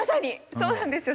そうなんですよ。